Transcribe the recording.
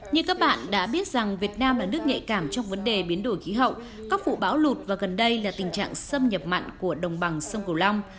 như các bạn đã biết rằng việt nam là nước nhạy cảm trong vấn đề biến đổi khí hậu các vụ bão lụt và gần đây là tình trạng xâm nhập mặn của đồng bằng sông cửu long